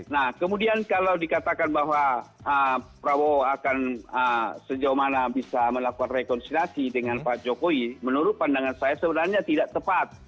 nah kemudian kalau dikatakan bahwa prabowo akan sejauh mana bisa melakukan rekonsiliasi dengan pak jokowi menurut pandangan saya sebenarnya tidak tepat